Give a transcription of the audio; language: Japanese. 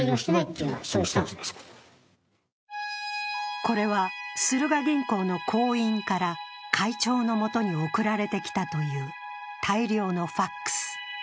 これはスルガ銀行の行員から会長の元に送られてきたという大量のＦＡＸ。